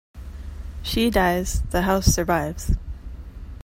She dies, the house survives.